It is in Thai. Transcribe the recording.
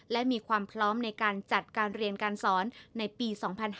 และมีความพร้อมในการจัดการเรียนการสอนในปี๒๕๕๙